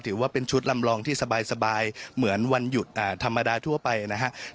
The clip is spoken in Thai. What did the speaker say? ถือว่าเป็นชุดลำลองที่สบายเหมือนวันหยุดธรรมดาทั่วไปนะครับ